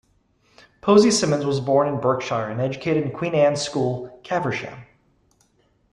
Posy Simmonds was born in Berkshire and educated at Queen Anne's School, Caversham.